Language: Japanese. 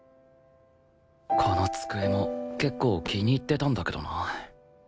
この机も結構気に入ってたんだけどな